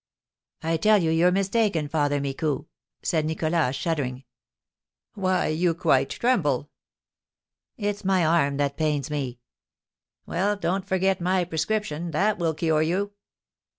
"I tell you you're mistaken, Father Micou," said Nicholas, shuddering. "Why, you quite tremble!" "It's my arm that pains me." "Well, don't forget my prescription, that will cure you."